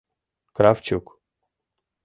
— Кравчук!